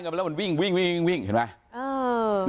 ใช่ไม่ได้ขบ้างแล้วมันวิ่งเห็นไหม